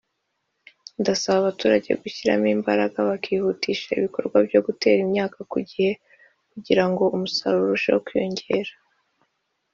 “Ndasaba Abaturage gushyiramo imbaraga bakihutisha ibikorwa byo gutera imyaka ku gihe kugira ngo umusaruro urusheho kwiyongera”